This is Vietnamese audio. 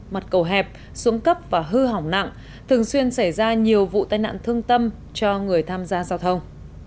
mặt cầu hẹp xuống cấp và hư hỏng nặng thường xuyên xảy ra nhiều vụ tai nạn thương tâm cho người tham gia giao thông